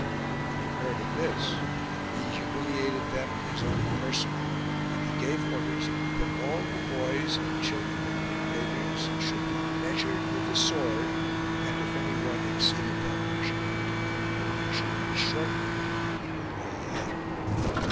When he heard of this he humiliated them in his own person ; and he gave orders that all the boys and children of the invaders should be "measured with {h,^ sword" ; 130 MEASURED WITH THE SWORD and if anyone exceeded that measurement he should be shortened by a head.